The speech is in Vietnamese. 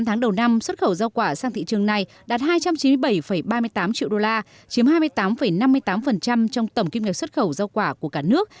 chín tháng đầu năm xuất khẩu giao quả sang thị trường này đạt hai trăm chín mươi bảy ba mươi tám triệu đô la chiếm hai mươi tám năm mươi tám trong tổng kim ngạch xuất khẩu rau quả của cả nước